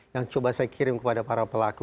yang coba saya kirim kepada para pelaku